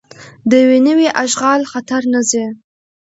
د یو نوي اشغال خطر نه ځي.